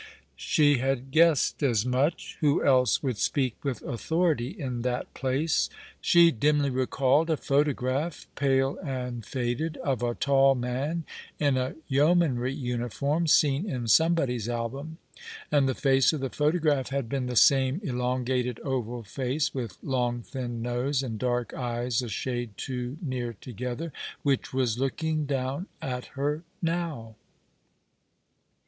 She had guessed as much. Who else would speak with authority in that place? She dimly recalled a photography pale and faded, of a tall man in a yeomanry uniform, seen in somebody's album ; and the face of the photograph had been the same elongated oval face — with long thin nose, and dark eyes a shade too near together— which was looking down at her now.